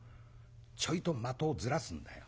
ちょいと的をずらすんだよ。